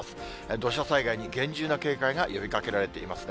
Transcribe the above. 土砂災害に厳重な警戒が呼びかけられていますね。